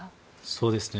そうですね。